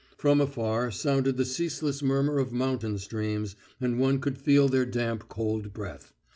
From afar sounded the ceaseless murmur of mountain streams, and one could feel their damp cold breath.